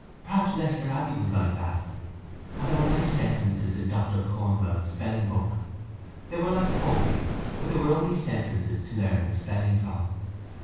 Perhaps Leicester Abbey was like that. And there were nice sentences in Doctor Cornwell's Spelling Book. They were like poetry but they were only sentences to learn the spelling from.